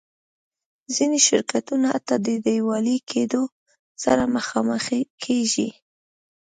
ځینې شرکتونه حتی له ډیوالي کېدو سره مخامخېږي.